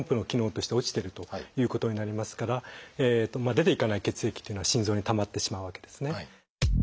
機能としては落ちてるということになりますから出ていかない血液というのは心臓に溜まってしまうわけですね。